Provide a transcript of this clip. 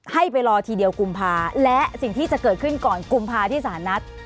ให้ไปรอทีเดียวกุมภาและสิ่งที่จะเกิดขึ้นก่อนกุมภาที่สารนัด